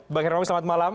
bang hermawi selamat malam